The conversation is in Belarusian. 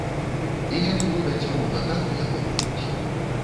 І яны робяць роўна так, як умеюць.